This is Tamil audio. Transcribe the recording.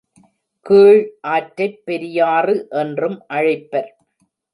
கீழ் ஆற்றைப் பெரியாறு என்றும் அழைப்பர்.